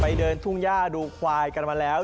เดินทุ่งย่าดูควายกันมาแล้ว